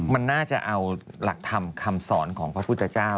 มันน่าจะเอาหลักธรรมคำสอนของพระพุทธเจ้า